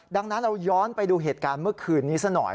ดังนั้นเราย้อนไปดูเหตุการณ์เมื่อคืนนี้ซะหน่อย